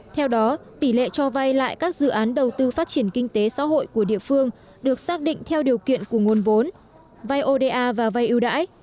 theo đó tỷ lệ cho vay lại các dự án đầu tư phát triển kinh tế xã hội của địa phương được xác định theo điều kiện của nguồn vốn vay oda và vay ưu đãi